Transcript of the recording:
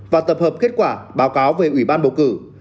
và tập hợp kết quả báo cáo về ủy ban bầu cử